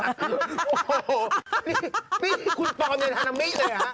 โอ้โฮนี่คุณปอลเมียธานามิ